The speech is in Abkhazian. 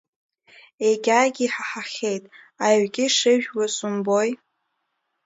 Егьагьы иҳаҳахьеит, аҩгьы шижәуаз умбои…